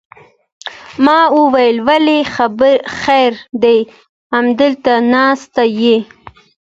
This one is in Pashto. ما ویل ولې خیر دی همدې ته ناست یې.